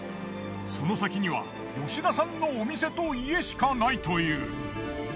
その先には吉田さんのお店と家しかないという。